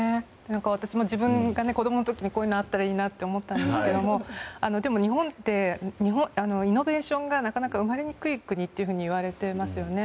私も自分が子供の時にこういうのあったらいいなって思ったんですけど日本ってイノベーションがなかなか生まれにくい国といわれてますよね。